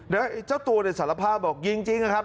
แล้วเจ้าตัวเนี่ยสารภาพบอกยิงจริงนะครับ